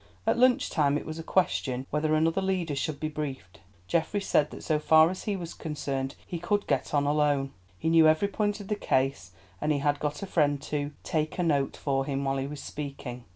At lunch time it was a question whether another leader should be briefed. Geoffrey said that so far as he was concerned he could get on alone. He knew every point of the case, and he had got a friend to "take a note" for him while he was speaking.